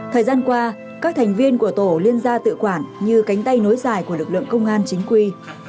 thời gian qua các thành viên của tổ liên gia tự quản như cánh tay nối dài của lực lượng công an chính quy